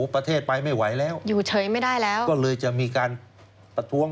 ประเทศไปไม่ไหวแล้วอยู่เฉยไม่ได้แล้วก็เลยจะมีการประท้วง